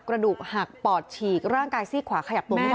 กระดูกหักปอดฉีกร่างกายซี่ขวาขยับตัวไม่ได้